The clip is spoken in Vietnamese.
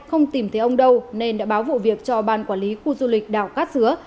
không tìm thấy ông đâu nên đã báo vụ việc cho ban quản lý khu du lịch đảo cát dứa